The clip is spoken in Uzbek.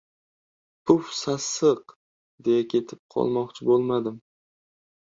Puf sassiq, deya ketib qolmoqchi bo‘lmadim.